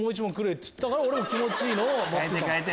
っつったから気持ちいいのを待ってた。